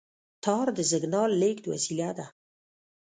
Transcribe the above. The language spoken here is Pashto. تار د سیګنال لېږد وسیله ده.